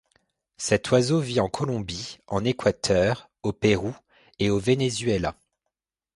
Cet oiseau vit en Colombie, en Équateur, au Pérou et au Venezuela.